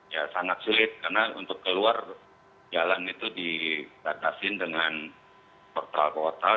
ya sangat sulit karena untuk keluar jalan itu dibatasin dengan portal portal